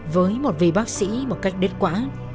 với một vị bác sĩ một cách đất quả